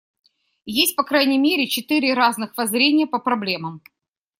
Есть по крайней мере четыре разных воззрения по проблемам.